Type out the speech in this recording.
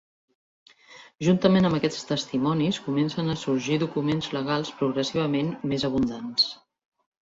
Juntament amb aquests testimonis comencen a sorgir documents legals progressivament més abundants.